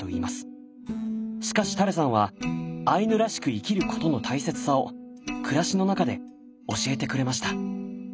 しかしタレさんはアイヌらしく生きることの大切さを暮らしの中で教えてくれました。